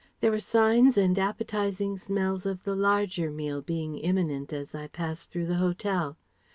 There were signs and appetizing smells of the larger meal being imminent as I passed through the hotel.